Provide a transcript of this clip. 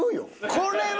これは！